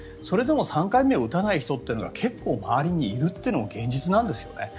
それでも３回目を打たない人っていうのが結構、周りにいるっていうのが現実なんですよね。